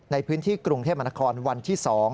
ในพื้นที่กรุงเทพมนครวันที่๒